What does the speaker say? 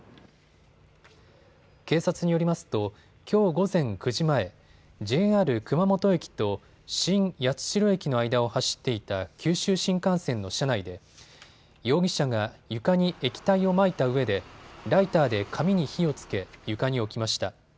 警察によりますときょう午前９時前、ＪＲ熊本駅と新八代駅の間を走っていた九州新幹線の車内で容疑者が床に液体をまいたうえでライターで紙に火をつけ床に置きました。